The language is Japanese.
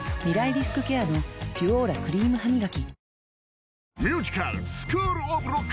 リスクケアの「ピュオーラ」クリームハミガキ